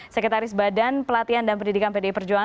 sekretaris badan pelatihan dan pendidikan pdi perjuangan